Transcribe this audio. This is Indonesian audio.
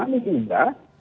kita tidak bisa mengingatkan